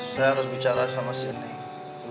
saya harus bicara sama si neng